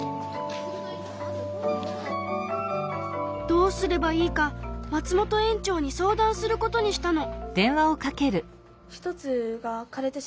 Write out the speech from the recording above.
どうすればいいか松本園長に相談することにしたの。